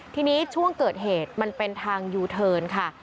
ทีนี้ช่วงเกิดเหตุมันเป็นทางยูเทิร์นค่ะ